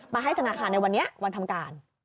ให้ธนาคารในวันนี้วันทำการ